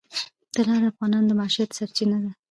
طلا د افغانانو د معیشت سرچینه ده.